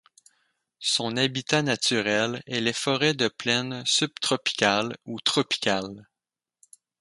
Son habitat naturel est les forêts de plaine subtropicale ou tropicale.